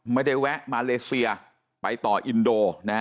ไม่ได้แวะมาเลเซียไปต่ออินโด